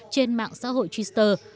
trên mạng xã hội twitter